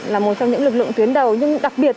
là một trong những lực lượng tuyến đầu nhưng đặc biệt